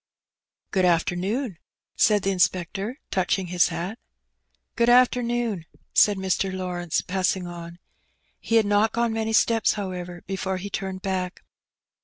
"Good afternoon/^ said the inspector, touching his hat. "Good afternoon/* said Mr. Lawrence, passing on. He had not gone many steps, however, before he turned back.